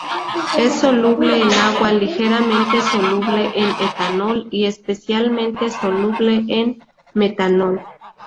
Es soluble en agua, ligeramente soluble en etanol, y especialmente soluble en metanol.